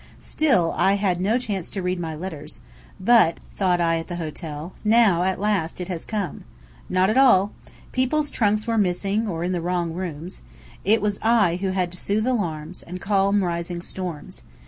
Still I had no chance to read my letters; but, thought I at the hotel, "Now at last, it has come!" Not at all! People's trunks were missing, or in the wrong rooms. It was I who had to sooth alarms, and calm rising storms.